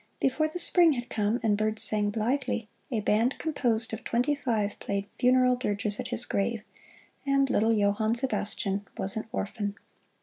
Before the Spring had come and birds sang blithely, a band composed of twenty five played funeral dirges at his grave and little Johann Sebastian was an orphan.